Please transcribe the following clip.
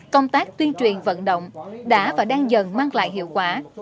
công tác tuyên truyền vận động đã và đang dần mang lại hiệu quả